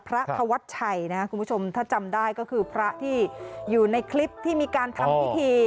พระธวัชชัยนะครับคุณผู้ชมถ้าจำได้ก็คือพระที่อยู่ในคลิปที่มีการทำพิธี